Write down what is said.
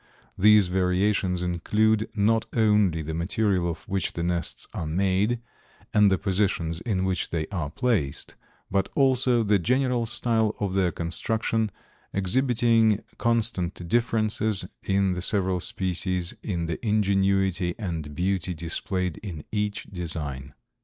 These variations include not only the material of which the nests are made and the positions in which they are placed; but also the general style of their construction, exhibiting constant differences, in the several species, in the ingenuity and beauty displayed in each design."